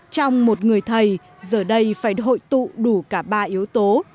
trong một người thầy giờ đây phải hội tụ đủ cả ba yếu tố